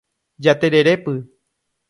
Jatererépy